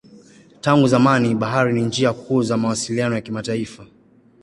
Tangu zamani bahari ni njia kuu za mawasiliano ya kimataifa.